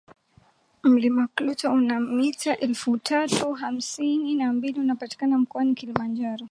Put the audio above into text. Mlima Klute una mita elfu tatu mia tisa hamsini na mbili unapatikana mkoani Kilimanjaro